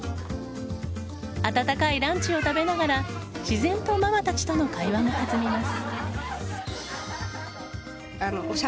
温かいランチを食べながら自然とママたちとの会話が弾みます。